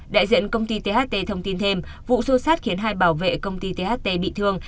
đại diện công ty tht thông tin thêm vụ xô xát khiến hai bảo vệ công ty tht bị thương